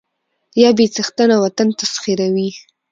يا بې څښنته وطن تسخيروي